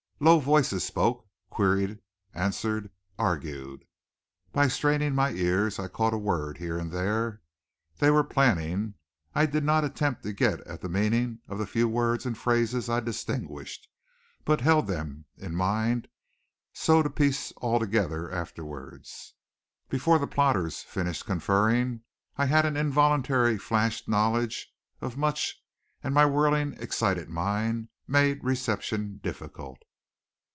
Low voices spoke, queried, answered, argued. By straining my ears I caught a word here and there. They were planning. I did not attempt to get at the meaning of the few words and phrases I distinguished, but held them in mind so to piece all together afterward. Before the plotters finished conferring I had an involuntary flashed knowledge of much and my whirling, excited mind made reception difficult.